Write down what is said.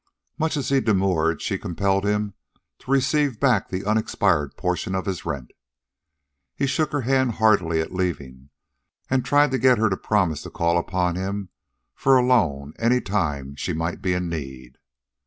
Much as he demurred, she compelled him to receive back the unexpired portion of his rent. He shook her hand heartily at leaving, and tried to get her to promise to call upon him for a loan any time she might be in need.